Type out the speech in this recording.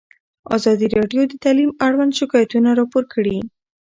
ازادي راډیو د تعلیم اړوند شکایتونه راپور کړي.